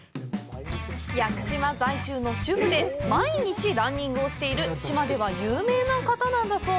屋久島在住の主婦で毎日ランニングをしている島では有名な方なんだそう。